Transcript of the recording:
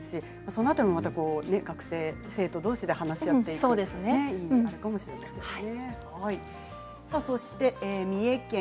そのあとも学生、生徒どうしで話し合ってもいいのかもしれませんね。